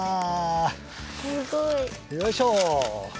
すごい。よいしょ。